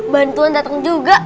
bantuan dateng juga